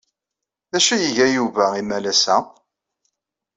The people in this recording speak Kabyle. D acu ay iga Yuba imalas-a?